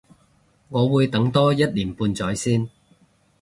我會等多一年半載先